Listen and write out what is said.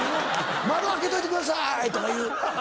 「窓開けといてください」とかいう。